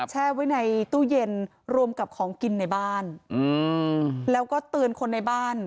แช่ไว้ในตู้เย็นรวมกับของกินในบ้านแล้วก็เตือนคนในบ้าน